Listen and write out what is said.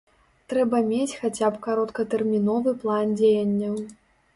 Трэба мець хаця б кароткатэрміновы план дзеянняў.